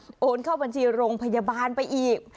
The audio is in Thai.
โอนเข้าบัญชีโรงพยาบาลไปอีก